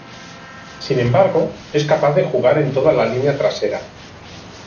Sin embargo, es capaz de jugar en toda la línea trasera.